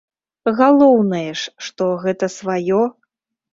Галоўнае ж, што гэта сваё.